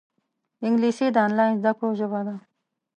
انګلیسي د آنلاین زده کړو ژبه ده